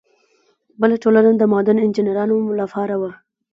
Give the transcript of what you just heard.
بله ټولنه د معدن انجینرانو لپاره ده.